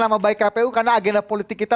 nama baik kpu karena agenda politik kita